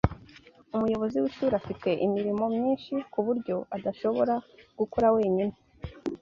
Umuyobozi w'ishuri afite imirimo myinshi kuburyo adashobora gukora wenyine